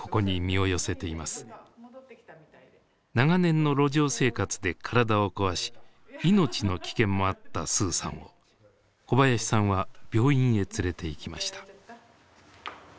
長年の路上生活で体を壊し命の危険もあったスーさんを小林さんは病院へ連れていきました。